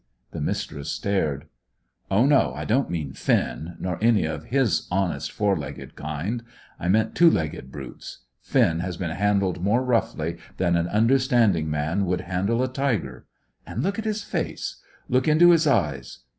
The Mistress stared. "Oh, no, I don't mean Finn; nor any of his honest four legged kind. I meant two legged brutes. Finn has been handled more roughly than an understanding man would handle a tiger. And look at his face. Look into his eyes.